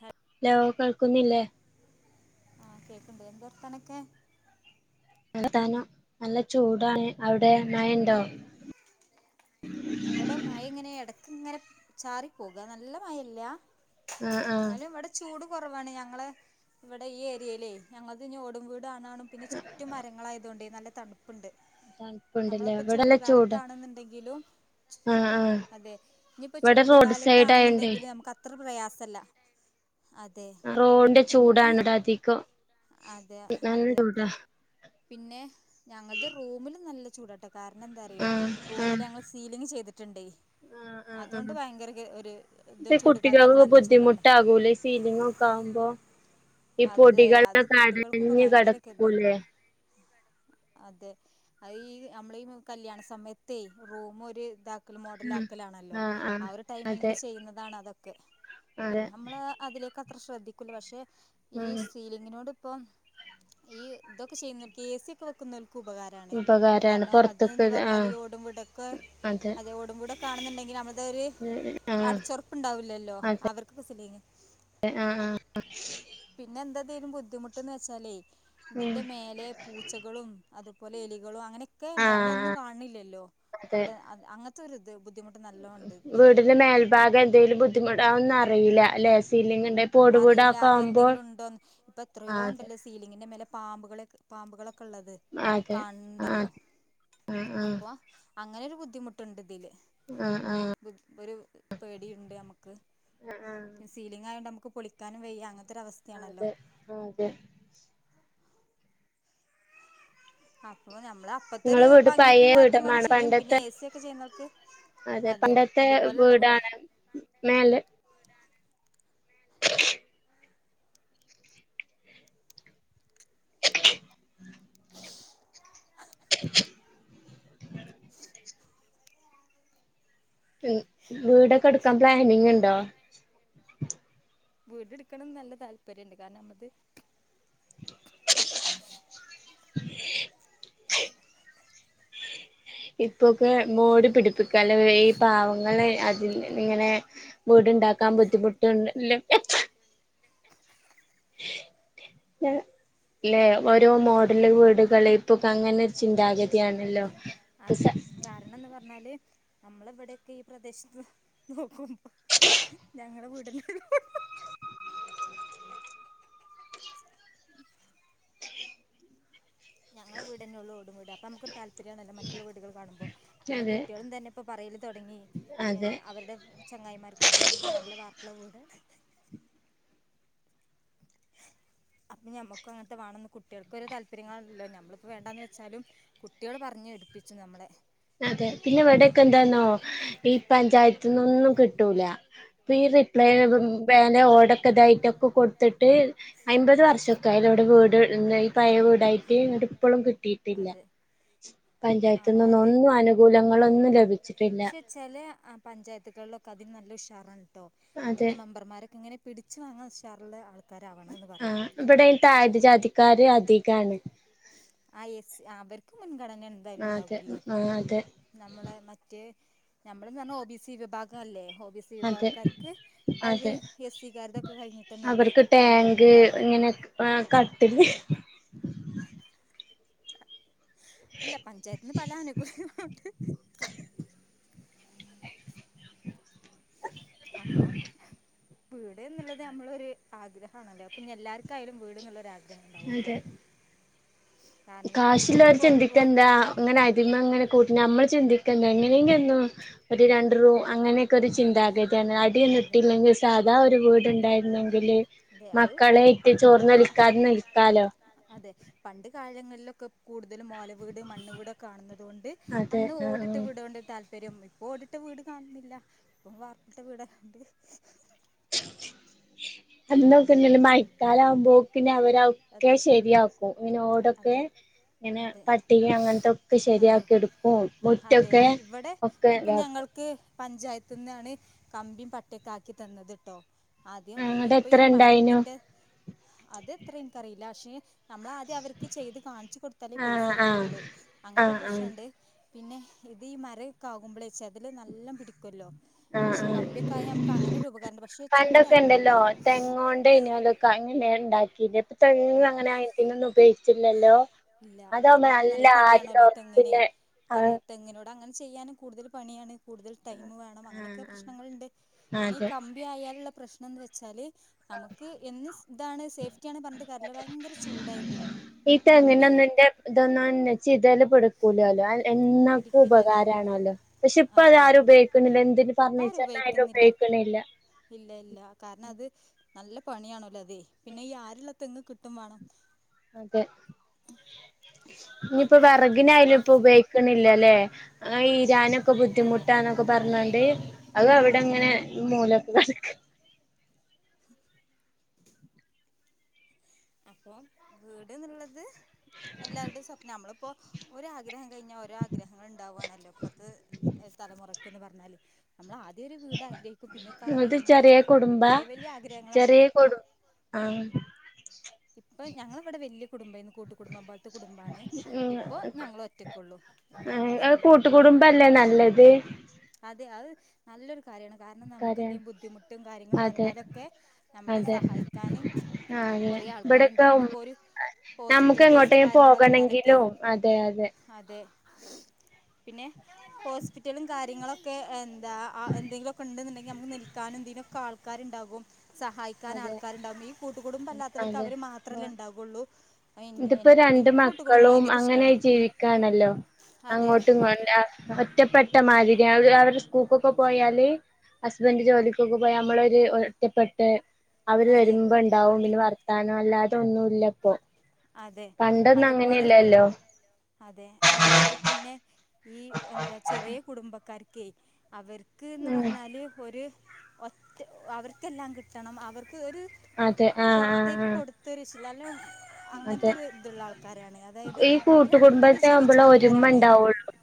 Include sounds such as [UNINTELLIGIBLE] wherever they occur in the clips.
ഹ law കേൾക്കുന്നില്ലേ ആഹ് കേൾക്കണ്ട് എന്താ വർത്താനൊക്കെ നല്ല വർത്താനം നല്ല ചൂടാണ് അവിടെ മയണ്ടോ? ഇവിടെ മഴങ്ങനെ ഇടക്ക് ഇങ്ങനെ ചാറി പോക നല്ല മഴല്ല ആഹ് ആഹ് ന്നാലും ഇവിടെ ചൂട് കുറവാണ് ഞങ്ങളെ ഇവിടെ ഈ ഏരിയയിലേ ഞങ്ങളത് ഇനി ഓടും വീ ടാണാണും പിന്നെ ചുറ്റും മരങ്ങൾ ആയതുകൊണ്ടേയ് നല്ല തണുപ്പ് പ്പുണ്ട് തണുപ്പുണ്ടല്ലേ നമ്മളിപ്പോ ഇവിടെല്ല ചൂട് ചൂട്കാലത്താണെന്നുണ്ടെങ്കിലും ആഹ് ആഹ് അതെ ഇനിപ്പോ ഇവിടെ റോഡ് സൈഡ് ആയോണ്ടേ ചൂടുകാലത്താണ്ന്ന്ണ്ടെങ്കിലും നമുക്ക് അത്ര പ്രയാസല്ല അതെ റോഡിന്റെ പിന്നെ ചൂടാണ് ഇവിടെ അധികം അതെ നല്ല അതെ ചൂടാ പിന്നെ ഞങ്ങൾത് റൂമിൽ നല്ല ചൂടാട്ടൊ കാരണം എന്താറിയോ ആഹ് റൂമിൽ ആഹ് ഞങ്ങൾ സീലിങ് ചെയ്തിട്ടുണ്ടേ ആഹ് ആഹ് അതുകൊണ്ട് ആഹ് ഭയങ്കര കെ ഒരു ഇത് ചൂട് കാലത്തൊക്കെ നല്ല ചൂടാണ് സീലിങ്ങ് ഒക്കെ ആകുമ്പോ ഈ അതെ അത് പൊടികളൊക്കെ അടഞ്ഞു കുട്ടികൾക്കൊക്കെ ഭയങ്കര കെതാണ് കിടക്കൂലേ അതെ അത് ഈ നമ്മൾ ഈ കല്യാണ സമയത്തേയ് റൂം ഒരു ഇതാ ക്കല് ആഹ് മോഡലാക്കലാണല്ലോ ആഹ് ആ ആഹ് ഒരു അതെ ടൈമിങ്ങില് ചെയ്യുന്നതാണ് അതൊക്കെ അതെ പിന്നെ നമ്മള് അതിലേക്ക് അത്ര ശ്രദ്ധിക്കൂല പക്ഷെ ഈ ആഹ് സീലിങ്ങിനോട് ഇപ്പം ഈ ഇതൊക്കെ ചെയ്യുന്നവക്ക് എ സിയൊക്കെ വെക്കുന്നോൽക്ക് ഉപകാ- രാണ് ഉപകാരാണ് കാരണം അത് പൊറത്ത്ക്ക് ന്ന് പറഞ്ഞാൽ ആഹ് ഈ ഓടും വിടൊക്കെ അതെ ടും വീടൊക്കെ ആണെന്നുണ്ടെങ്കിൽ നമ്മൾതൊരു ആഹ് അടച്ചുറപ്പുണ്ടാവില്ലല്ലോ അവർക്കൊക്കെ സിലിങ് ആഹ് ആഹ് പിന്നെ എന്താ ഇതിലെ ബുദ്ധിമുട്ട്ന്ന് വെച്ചാലേയ് ഇതിന്റെ ആഹ് മേലെ പൂച്ചകളും അതുപോലെ എലികളും അങ്ങനെയൊക്കെ ഉണ്ട് നമ്മളൊന്നും ആഹ് കാണണില്ലല്ലോ അവിടെ അങ്ങനത്തെ ഒരിത് ബുദ്ധിമുട്ട് നല്ലോണം ഉണ്ട് ഉം ഇതിൽ വീടിന്റെ മേൽഭാഗം എന്തെങ്കിലും ബുദ്ധിമുട്ട് അതൊന്നും അറിയില്ല അല്ലെ സിലിങ്ങിന്റെ അറിയില്ല എന്തെങ്കിലും ഉണ്ടോന്ന് ഇപ്പ എത്രയോ ആഹ് അതെ ഉണ്ടല്ലോ സി സീലിങ്ങിന്റെ മേലെ പാമ്പുകളെ പാമ്പുകളൊക്കെ ഉള്ളത് അതെ കാൺണ്ടല്ലോ ആഹ് ആഹ് അപ്പൊ അങ്ങനൊരു ബുദ്ധിമുട്ടുണ്ട് ഇതില് ആഹ് ആഹ് ഒരു പേടിയുണ്ട് നമുക്ക് ആഹ് ആഹ് സീലിങ് ആയൊണ്ട് നമുക്ക് പൊളിക്കാനും വെയ്യ അങ്ങനത്തൊരു അവസ്ഥ അതെ അതെ അപ്പൊ നമ്മൾ അപ്പത്തെ ഒരു നിങ്ങളെ വീട് പഴയ ഭംഗിക്കും കാര്യത്തിനും വേണ്ടി വീടമാണ് ചെയ്യും പിന്നെ പണ്ടത്തെ എ സി യൊക്കെ ചെയ്യുന്നോർക്ക് അതെ പണ്ടത്തെ വീടാണ് മേലെ [UNINTELLIGIBLE] [UNINTELLIGIBLE] [UNINTELLIGIBLE] ഉം വീടൊക്കെ എടുക്കാൻ പ്ലാനിങ് ഉണ്ടോ വീട് എടുക്കണം നല്ല താല്പര്യംണ്ട് കാരണം നമ്മള്ത് [INAUDIBLE] ഇപ്പൊക്കെ മോഡി പിടിപ്പിക്ക അല്ലെ ഈ പാവങ്ങള് അതിൽ ഇങ്ങനെ വീട്ണ്ടാക്കാൻ ബുദ്ധിമുട്ട്ണ്ട്ല്ല [INAUDIBLE] അല്ലെ ഓരോ മോഡല് വീടുകള് ഇപ്പൊക്ക അങ്ങനൊരു ചിന്താഗതിയാണല്ലോ അതെ കാരണം എന്ന് പറഞ്ഞാല് നമ്മളെവിടെയൊക്കെ ഈ പ്രദേശത്ത് നോക്കും ഞങ്ങള വീടന്നെ ഞങ്ങളെ വീടന്നെ ഉള്ളൂ ഇവിടെ അപ്പ നമക്കൊരു താല്പര്യാണല്ലൊ മറ്റുള്ള വീടുകള് കാണുമ്പോ പിന്നെ അതെ കുട്ടികളും തന്നെ ഇപ്പോൾ പറയൽ തുടങ്ങി അതെ അവരുടെ ചങ്ങായിമാർക്കൊക്കെ നല്ല വാർ പുള്ള വീട് അപ്പൊ ഞമ്മക്ക അങ്ങനത്തെ വേണംന്ന് കുട്ടികൾക്കൊരു താല്പര്യങ്ങളാണല്ലോ ഞമ്മളിപ്പോ വേണ്ടാന്ന് വെച്ചാലും കുട്ടികൾ പറഞ്ഞു എടുപ്പിച്ചു നമ്മളെ അതെ പിന്നെ ഇവിടെക്കെ എന്താന്നോ ഈ പഞ്ചായത്തന്നൊന്നും കിട്ടൂല ഈ റിപ്ലൈ അതെ വേന ഓടക്കെ ഇതായിട്ടൊക്കെ കൊടുത്തിട്ട് അൻമ്പത് വർഷൊക്കെയാല ഇവിടെ വീട് ഈ പഴയ വീടായിട്ട് എന്നിട്ട് ഇപ്പോഴും കിട്ടിയിട്ടില്ല അതെ ആണോ പഞ്ചായത്തിന്നൊന്ന് അത് ഒന്നും അനുകൂലങ്ങളൊന്നും ലഭിച്ചിട്ടില്ല ചെലെ പഞ്ചായത്തുകളിലൊക്കെ അതിന് നല്ല ഉഷാറാണ്ട്ടോ അതെ അവിടുത്തെ മെമ്പർമാരൊക്കെ ഇങ്ങനെ പിടി ച് വാങ്ങാൻ ഉഷാറുള്ള ആള് ആ ഇവിടെ താഴ്ന്നജാതിക്കാര് അധികാണ് ആ എസ് അവർക്ക് മുൻഗണന എന്തായാലും അതെ ഉണ്ടാകുമല്ലോ ആ അതെ നമ്മളെ മറ്റേ നമ്മളെന്ന് പറഞ്ഞാൽ ഒ ബിസി വിഭാഗം അല്ലേ ഒ ബി സി അതെ വിഭാഗക്കാർക്ക് അത് അതെ എസ് കാരുടൊക്കെ കഴിഞ്ഞിട്ടന്നെള്ളൂ അവർക്ക് ടാങ്ക് ഇങ്ങനെ ആ കട്ടില് അല്ല പഞ്ചായത്ത്ന്ന് പല അനുകൂല്ങ്ങളണ്ട് അപ്പോൾ വീട് എന്നുള്ളത് നമ്മള ഒരു ആഗ്രഹണല്ലോ പിന്നെ എല്ലാർക്കായാലും വീട് എന്നുള്ളൊരാഗ്രഹം ഉണ്ടാവല്ലൊ കാശുള്ളവർ ചിന്തിക്ക എന്താ അങ്ങനെ അതിമ അങ്ങനെ കൂട്ട നമ്മൾ ചിന്തിക്കണ്ട എങ്ങനെങ്കില ഒരു രണ്ട് റൂ അങ്ങനെ ഒരു ചിന്താഗതിയാണ് അടി അതെ നുട്ടില്ലെങ്കിൽ സാധാ ഒരു അതെ വീട്ണ്ടായിരുന്നെങ്കില് അതെ അത് മക്കളെ ഇരുത്തി പണ്ട് ചോർന്നൊലിക്കാതെ നിൽക്കാലോ അതെ പണ്ട് കാലങ്ങളിലൊക്കെ കൂടുതലും മോല വീട് മണ്ണ് വീട് കാണുന്നത് കൊണ്ട് അതെ അന്ന് ആ ആ ഓടിട്ട് വിടേണ്ട താല്പര്യം തരും ഇപ്പൊ ഓടിട്ട വീട് കാണുന്നില്ല ഇപ്പം വാർപ്പിട്ട വീടക്കണ്ട് [INAUDIBLE] അന്ന് നോക്കഞ്ഞല് മഴക്കാല ആകുമ്പോക്കന്നെ അവരൊക്കെ അതെ ശെരിയാക്കും ഇങ്ങനോടൊക്കെ അതെ ഇങ്ങനെ അതെ പട്ടിക അങ്ങനത്തൊക്കെ അതെ ശരിയാക്കി എടുക്കും മുറ്റൊക്കെ ഒക്കെ ഇതാക്കും ക്ക് പഞ്ചായത്ത്ന്നാണ് കമ്പിയും പട്ടയൊക്കെ ആക്കി തന്നത്ട്ടോ ആദ്യം അങ്ങടെ ഇപ്പൊ എത്ര ഈ ഇണ്ടായിനു മരത്തിന്റെ അതെത്ര എനികറിയില്ല പക്ഷെ നമ്മളാദ്യം അവർക്ക് ചെയ്ത് കാണിച്ചു കൊടുത്താലേ പൈസ ആഹ് ആഹ് കിട്ടുള്ളു അങ്ങനൊരു ആഹ് ആഹ് പ്രശ്നുണ്ട് പിന്നെ ഇത് ഈ മരൊക്കെ ആകുമ്പോളെ ചെതല് നല്ലം പിടിക്കല്ലോ ആഹ് പക്ഷെ ആഹ് കമ്പിയൊക്കായ നമുക്ക് അങ്ങനൊരു ഉപകാരമുണ്ട് പക്ഷെ ചൂടായിക്കോട്ടോ ഓണ്ടെ അതൊക്കെ അങ്ങനെ ഉണ്ടാക്കി ഇപ്പൊങ് അത് അങ്ങന അ ഉപയോഗ ല്ലോ ഇല്ല അതാവുമ്പോ അതിപ്പോൾ നല്ല ആര് പണിയാണല്ലോ ഈ തെങ്ങിനെ ഉറപ്പില്ല ആ അത് തെങ്ങിനോട് അങ്ങനെ ചെയ്യാനും കൂടുതല് പണിയാണ് കൂടുതൽ ടൈമ് വേണം ആഹ് അങ്ങനെയൊക്കെ പ്രശ്നങ്ങളുണ്ട് ആഹ് പിന്നെ ഈ അതെ കമ്പി ആയാലുള്ള പ്രശ്നം എന്ന് വെച്ചാൽ നമുക്ക് എന്ന് ഇതാണ് സേഫ്റ്റി ആണ് പറഞ്ഞിട്ട് കാര്യല്ല ഭയങ്കര ചൂടായിരിക്കും ഇട്ട് എങ്ങനെ കമ്പി ഒന്നിന്റെ ഇതൊന്നും ചെയ്താലും- ഇപ്പൊ എടുക്കൂലാല്ലോ എന്നാർക്കും പിടിക്കില്ലല്ലേ ഉപകാരാണല്ലോ പക്ഷെ ഇപ്പ അത് അതെ ആരും ഉപയോഗിക്കുന്നില്ല എന്തിന് ഇപ്പം ആരും ഫർണിച്ചറിന് ആയാലും ഉപയോഗിക്കുന്നില്ല ഇല്ല ഇല്ല കാരണം അത് നല്ല പണിയാണോലോ അതെ പിന്നെ ഈ ആരുള്ള തെങ്ങ് കിട്ടുംവേണം അതെ ഇനിയിപ്പോ വെറകിനായാലും അപ്പോൾ ഇപ്പ ഉപയിക്ക- കേൾക്കുന്നില അല്ലേ ഞാനൊക്കെ അതെ ബുദ്ധിമുട്ടാന്നൊക്കെ പറഞ്ഞോണ്ട് അത് അവിടെ അതെ അങ്ങനെ മൂലയ്ക്ക്‌ കടക്ക- [INAUDIBLE] അപ്പൊ വീട് എന്നുള്ളത് എല്ലാവരുടെയും സ്വപ്ന നമ്മളിപ്പോ- ഒര് ആഗ്രഹം കഴിഞ്ഞാൽ ഓരോ ആഗ്രഹങ്ങൾ ഉണ്ടാവുകയാണല്ലോ ഇപ്പത്ത് തലമുറക്ക്ന്ന് പറഞ്ഞാല് നമ്മള് ആദ്യം ഒരു വീട് ആഗ്രഹിക്കും പിന്നെ കാറ് അത് അങ്ങനെ ചെറിയ കുടുംബാ വലിയ വലിയ ആഗ്രഹങ്ങളാണല്ലോ ആഹ് ഇപ്പൊ ഞങ്ങള് ഇവിടെ വലിയ കുടുംബം ആരുന്നു കൂട്ട് കുടുംബം പോലെ - കുടുംബയാണെ ഉം ഇപ്പൊ ഞങ്ങള് ഒറ്റക്കുള്ളൂ ഞാനും അത് ഹസ്ബൻഡും കുട്ടികളും ഉള്ളു കൂട്ടുകുടുംബല്ലേ കൂട്ടു കുടുംബം അല്ലേ നല്ലത് അതെ അത് നല്ലൊരു കാര്യമാണ് കാരണം നമുക്ക് കാര്യാണ് എന്തെങ്കിലും ബുദ്ധിമുട്ടും കാര്യങ്ങളും അതെ വന്നാലൊക്കെ നമ്മളെ അതെ സഹായിക്കാന്- ആ അതെ കൊറെ ആൾക്കാര് ഇവിടൊക്കെ ഇണ്ടാവുമെങ്കിൽ ഉമ്മ പോലും- നമുക്ക് ഹോസ്പിറ്റൽ കേസ് എങ്ങോട്ടെങ്കിലും കാര്യങ്ങള് വന്നാലൊക്കെ പോകണെങ്കിലും അതെ അതെ പിന്നെ ഹോസ്പിറ്റലും കാര്യങ്ങളൊക്കെ എ- ഇതാ എന്തെങ്കിലക്കെ ഉണ്ടെന്നുണ്ടെങ്കി നമ്മക്ക് നിൽക്കാനും ഇതിനൊക്കെ ആൾക്കാരുണ്ടാകും സഹായിക്കും ക്കാൻ അതെ ആൾക്കാരുണ്ടാവും ഈ കൂട്ടുകൂടുംമ്പം അല്ലാത്തവർക്ക് അതെ അവര് മാത്രമല്ലേ ഇണ്ടാവുകയുള്ളൂ ഇതിപ്പോ രണ്ട് മക്കളും അങ്ങനെ ഇഷ്ടമാണ് ജീവിക്കാണല്ലോ അതെ അങ്ങോട്ടും ഇതില്ല ഒറ്റപ്പെട്ട മാതിരിയാണ് അവര് സ്കൂൾക്കൊക്കെ പോയാല് ഹസ്ബൻഡ് ജോലിക്കൊക്കെ പോയാ നമ്മളൊരു ഒറ്റപ്പെട്ട്- അവര് അതെ വരുമ്പോ ഇണ്ടാവും പിന്നെ വർത്താനം അല്ലാതെ ഒന്നുയില്ലപ്പൊ അതെ അതുപോലെ- അതെ അതുപോലെ തന്നെ ഈ എന്താ ചെറിയ കുടുംബക്കാർക്കെ അവർ ക്ക്ന്ന് ഉം പറഞ്ഞാല് ഒരു ഒറ്റ അവർക്കെല്ലാം കിട്ടണം അവർക്ക് ഒരു- അതെ ആഹ് ആഹ് പൊറത്തേക്ക് ആഹ് കൊടുത്തരു ശീലം - അങ്ങനത്തെ അതെ ഒരു ഇതുള്ള ആൾക്കാരാണ് അതായത് ഈ അവര് അങ്ങനെ കൂട്ടുകുടുംബത്തെ ജീവിച്ച ആവുമ്പോളെ ഒരുമ ആൾക്കാരാണ് ഉണ്ടാവുള്ളൂ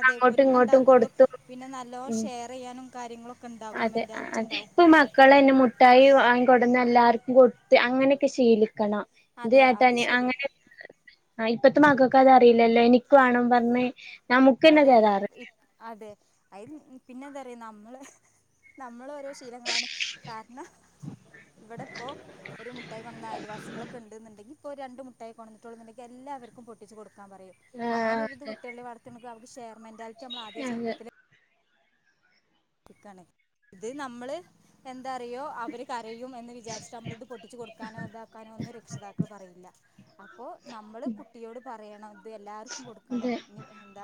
അതെ അങ്ങോട്ടും ഒരുമ ഇങ്ങോട്ടും ഉണ്ടാവുള്ളു കൊടുത്തും പിന്നെ നല്ലോണം ഉം ഷെയർ ചെയ്യാനും കാര്യങ്ങളൊക്കെ- ഉണ്ടാകും അതെ മെന്റാലിറ്റി അതെ ഉണ്ടാവും ഇപ്പ മക്കൾ തന്നെ മുട്ടായി വാങ്ങി - കൊടന്ന് എല്ലാർക്കും കൊടുത്ത് അങ്ങനെയൊക്കെ ശീലിക്കണം ഇത് അതെ ആയിട്ട് അത് ശരി അങ്ങനെ- ആ ഇപ്പത്തെ മക്കൾക്ക് അത് അറിയില്ലല്ലോ എനിക്കുവാണം പറഞ്ഞേ നമുക്ക് തന്നെ അതെ തരാറ് ഇപ് അതെ അതിത് പിന്നെ എന്താ പറയാ നമ്മള്- നമ്മള് ഓരോ ശീലങ്ങളാണ് കാരണം- ഇവിടെ ഇപ്പോ ഒരു മുട്ടായി കൊണ്ടു വന്നാ അയൽവാസികളൊക്കെ ഇണ്ട് എന്നുണ്ടെങ്കിൽ- ഇപ്പൊ രണ്ട് മുട്ടായി കൊണ്ടു വന്നിട്ടുള്ളൂ എങ്കിൽ എല്ലാവർക്കും പൊട്ടിച്ച് കൊടുക്കാൻ പറയും ആ അങ്ങനെ ഒരുയിത് അതെ കുട്ടികളെ വള- അവർ ഷെയർ മെൻന്റാലിറ്റി നമ്മള് ആദിയമേ അതെ ചെറുപ്പത്തിൽ- നിക്കണേ ഇത് നമ്മള് എന്താറിയോ അവർ- കരയും എന്ന് വിചാരിച്ചിട്ട് നമ്മളിത് പൊട്ടിച്ച് കൊടുക്കാനോ ഇതാക്കാനോ ഒന്ന് രക്ഷിതാക്കൾ പറയില്ല അപ്പോ- നമ്മള് കുട്ടിയോട് പറയണം ഇത് എല്ലാവർ- അതെ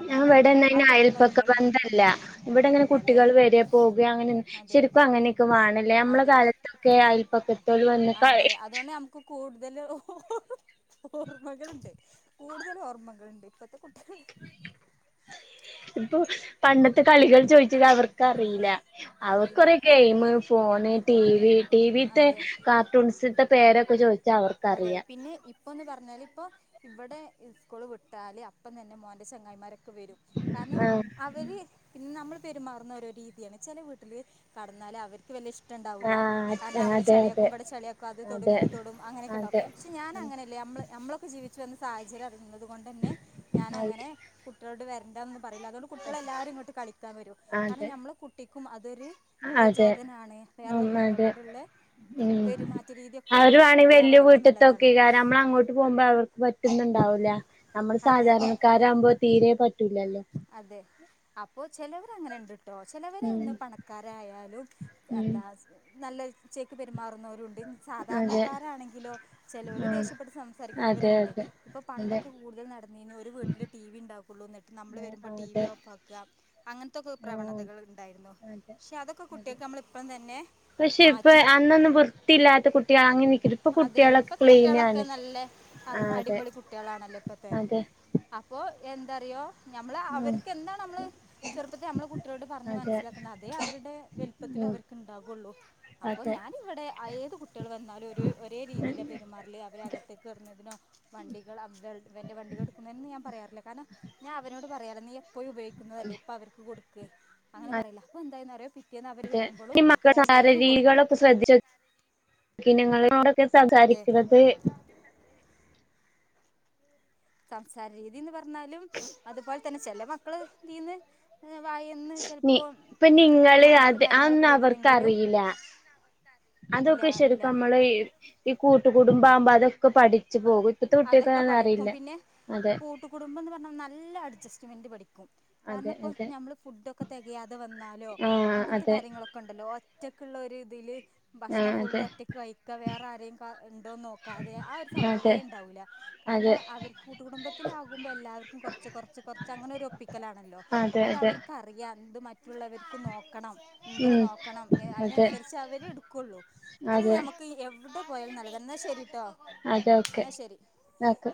ഞാൻ ഇവിടെ ആ ഇന്ന് കുട്ടികൾ അയല്പ്പൊക്കെ അതുപോലെ തന്നെ ബന്ധല്ല ഇവിടെ അങ്ങനെ ഇല്ല അല്ലേ കുട്ടികൾ വര- പോകുക അങ്ങനെ എ - അതെ ശരിക്കും ഇവ്- അങ്ങനെയൊക്കെ വേണല്ലേ നമ്മളെ അതെ കാലത്തൊക്കെ അയൽപ്പക്കത്തോല് വന്ന് ക പിന്നെ നമുക്ക് കൂടുതൽ ഓർമ്മകളുണ്ട് കൂടുതൽ ഓർമ്മകൾണ്ട് ഇപ്പത്തെ കുട്ടികൾ ഇപ്പൊ പണ്ടത്തെ കളികൾ ചോദിച്ചിട്ട് അവർക്കറിയില്ല അവർക്ക് അറിയില്ല കുറെേ ഗെയിം ഫോണ് ടി അതെ വി ടി ഇവ്- വിത്തെ അതെ കാർട്ടൂൺസിത്തെ പേരൊക്കെ ചോദി ച്ച അതെ അവർക്കറിയാം പിന്നെ ഇ ഇപ്പന്ന് പറഞ്ഞല് ഇപ്പ ഇവിടെ സ്കൂള് വിട്ടാല് അപ്പം തന്നെ മോന്റെ ചെങ്ങായിമാരൊക്കെ വരും കാരണം ആഹ് അവര് പിന്നെ നമ്മൾ പെരുമാറുന്ന ഓരോ രീതിയാണ് ചില വീട്ടില് കടന്നാല് അവർ ക് വലിയ ഇഷ്ടണ്ടാവില്ല കാരണം ആഹ് അവിടെ അതെ അതെ ചളിയാക്കും ഇവിടെ ചളിയാക്കും അത് തൊടും അതെ ഇത് തോടും അങ്ങനെയൊക്കെണ്ടാവും അതെ പക്ഷെ ഞാനങ്ങനെയല്ല നമ്മൾ നമ്മളൊക്കെ ജീവിച്ചു വന്ന സാഹചര്യം അറിയതുകൊണ്ട് തന്നെ അതെ ഞാനങ്ങനെ കുട്ട കുട്ടികളോട് വരണ്ടന്നും പറയില്ല അതുകൊണ്ട് കുട്ടികളെ അതെ എല്ലാവരും ഇങ്ങോട്ട് കളിക്കാൻ വരും കാരണം അതെ നമ്മളെ കുട്ടിക്കും അതൊരു അതെ പ്രചോദനാണ് വേറെള്ള ഉം അതെ കുട്ടികളോടുള്ള ഇത് ഉം പെരുമാറ്റ രീതിയൊക്കെ അവരു വേണെങ്കി റെഡി വലിയ ആവാനൊക്കെ നല്ലതാണ് വീട്ടത്തൊക്കെ അയ്ക്കാരം നമ്മള് അങ്ങോട്ട് പോകുമ്പോ അവർക്ക് പറ്റുന്നുണ്ടാവൂല നമ്മള് അതെ സാധാരണക്കാരാകുമ്പോ തീരെ പറ്റൂലല്ലോ അതെ അപ്പോൾ ചിലവർ അങ്ങനെ ഉണ്ട് ട്ടോ ചിലവർ ഉം ഇന്ന് പണക്കാരായാലും ഉം എന്താ നല്ല ചെക്ക് പെരുമാറുന്നവ രുണ്ട് അതെ സാധാരണക്കാരാണെങ്കിലോ ചിലവർ ആഹ് ദേഷ്യപ്പെട്ട് സംസാരിക്കുന്നവരും അതെ ഉണ്ട് അതെ ഇപ്പൊ അതെ പണ്ടൊക്കെ കൂടുതൽ നടന്നിന് ഒരു വീട്ടില് ടി വി ഉണ്ടാക്കുള്ളൂ എന്നിട്ട് നമ്മള് വരുമ്പോൾ ടി വി അതെ ഓഫ് ആക്കുക അങ്ങനത്തെക്കെ ആഹ് പ്രവണതകൾ ഉണ്ടായിരുന്നു അതെ പക്ഷെ അതൊക്കെ അതെ കുട്ടികൾക്ക് നമ്മൾ ഇപ്പൾ തന്നെ പക്ഷെ ഇപ്പ മാറ്റി അന്നൊന്നും വൃത്തിയില്ലാത്ത കുട്ടികൾ അങ്ങിനിക്കരുന്നു ഇപ്പൊ അതെ കുട്ടികളൊക്കെ ഇപ്പോഴത്തെ കുട്ടികളൊക്കെ ക്ലീനാണ് നല്ല ആഹ് അതെ അടിപൊളി കുട്ടികളാണല്ലോ ഇപ്പത്തെ അതെ അപ്പൊ എന്തറിയോ നമ്മള് ഉം അവർക്ക് എന്താ നമ്മള് ചെറുപ്പത്തെ നമ്മള് കുട്ടികളോട് പറഞ്ഞ് അതെ മനസ്സിലാക്കുന്ന അതേ അവരുടെ വലുപ്പത്തിൽ ഉം അവർക്ക്ണ്ടാകുള്ളൂ അപ്പോ അതെ ഞാൻ ഇവിടെ ഏത് കുട്ടികൾ വന്നാലും ഒരു ഒരേ രീതിയിൽ പെരുമാറൽ അവരകത്തേക്ക് കയറുന്നതിനോ വണ്ടികൾ അവകൾ ഇവന്റെ വണ്ടികൾ എടുക്കുന്നനോ ഒന്നും ഞാൻ പറയാറില്ല കാരണം ഞാൻ അവനോട് പറയല് നീ എപ്പഴും ഉപയോഗിക്കുന്നതല്ലേ ഇപ്പ അവർക്ക് കൊടുക്ക് അങ്ങനെ പറയല അപ്പൊ എന്തായന്ന് പറോ പിറ്റേന്ന് അവർ അതെ വരുമ്പളും ഓൻ വേഗം കൊടുക്കും പിന്നെ ങ്ങളോടൊക്കെ അതെ സംസാരിക്കുന്നത് സംസാര രീതിന്ന് പറഞ്ഞാലും അതുപോലെ തന്നെ ചെല മക്കള് തീന്ന് വായന്ന് നി ചെലപ്പോ ഇപ്പൊ നിങ്ങള് മാണ്ടാത്തെ അത് കാര്യങ്ങളൊക്കെ അതൊന്നും വരുമെങ്കിലും അവർക്കറിയില്ല ഇല്ല അതൊക്കെ ശെരി ഇപ്പ ഇല്ല നമ്മള് ഈ കൂട്ടു കുടുംബാകുമ്പോ അതൊക്കെ പഠിച്ച് പോകും ഇപ്പത്തെ കുട്ടികക്ക് അതൊന്നും അറിയില്ല അതെ കുട്ട് കുടുംബം എന്ന് പറഞ്ഞാൽ നല്ല അഡ്ജസ്റ്റ്മെന്റ് പഠിക്കും അതെ കാരണം ഇപ്പോൾ അതെ നമ്മള് ഫുഡൊക്കെ തികയാതെ വന്നാലോ ആഹ് അങ്ങനത്തെ അതെ കാര്യങ്ങളൊ ക്കെണ്ടല്ലോ ഒറ്റക്ക് ഉള്ള ഒരു തില് ഭക്ഷണം ആഹ് ഫുള്ള് അതെ ഒറ്റക്ക് കഴിക്ക വേറെ ആരെയും ഉണ്ടോന്ന് നോക്കാതെ ആ ഒരു അതെ സംഭവേ ഉണ്ടാവൂല്ല അതെ കാരണം അവർ കൂട്ടു കുടുംബത്തിലാകുമ്പോ എല്ലാവർക്കും കുറച്ച് കുറച്ച് കൊറച്ച് അങ്ങനെ ഒരു ഒപ്പിക്കലാണല്ലോ അതെ അപ്പൊ അത് അതെ അവർക്ക് അറിയാം ഇത് മറ്റുള്ളവർക്ക് നോ ക്കണം ഇണ്ടോ ഉം നോക്കണം അതെ അതിനനുസരിച്ച് അവര് എടുക്കുള്ളൂ അത് അതെ നമ്മക്ക് എവി ടെ പോയാലും നല്ലതന്ന ന്നാ ശരിട്ടോ അതെ ഓക്കെ എന്നാൽ ശരി ന്ന ഓക്കെ